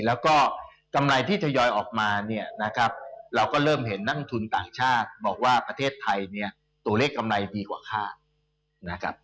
แล้วก็กำไรที่ทยอยออกมาเนี่ยนะครับเราก็เริ่มเห็นนักทุนต่างชาติบอกว่าประเทศไทยเนี่ยตัวเลขกำไรดีกว่าค่านะครับ